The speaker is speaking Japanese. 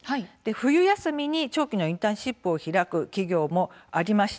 冬休みに長期のインターンシップを開くという企業もあります。